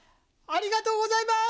ありがとうございます。